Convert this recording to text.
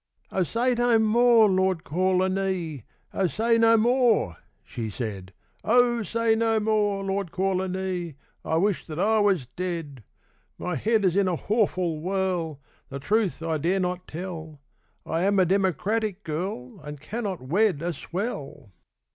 'Oh, say no more, Lord Kawlinee, Oh, say no more!' she said; 'Oh, say no more, Lord Kawlinee, I wish that I was dead; My head is in a hawful whirl, The truth I dare not tell I am a democratic girl, And cannot wed a swell!